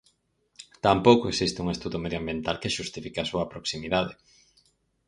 Tampouco existe un estudo medioambiental que xustifique a súa proximidade.